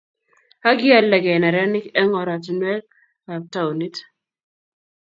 ak kialdagei neranik eng ortinwekab taunit